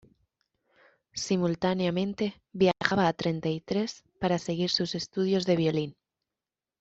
Simultáneamente viajaba a Treinta y Tres para seguir sus estudios de violín.